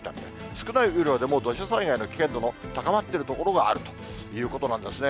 少ない雨量でも土砂災害の危険度の高まっている所があるということなんですね。